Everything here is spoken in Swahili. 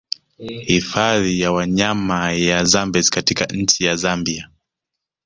Hifadhi ya wanyama ya Zambezi katika nchi ya Zambia